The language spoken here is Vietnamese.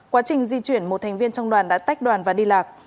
quá trình di chuyển một thành viên trong đoàn đã tách đoàn và đi lạc